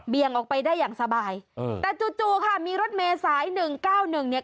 เบียงออกไปได้อย่างสบายแต่จู่ค่ะมีรถเมย์สาย๑๙๑เนี่ย